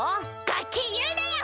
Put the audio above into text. ガキ言うなや！